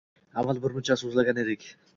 avval birmuncha so‘zlagan edik.